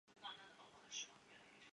出身于福岛县。